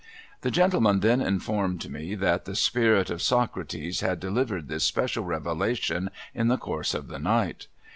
The gentleman then informed me that the spirit of Socrates had delivered this special revelation in the course of the night.